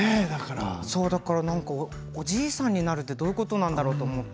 おじいさんになるってどういうことなんだろうと思って。